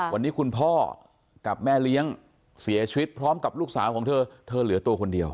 วันนี้คุณพ่อกับแม่เลี้ยงเสียชีวิตพร้อมกับลูกสาวของเธอเธอเหลือตัวคนเดียว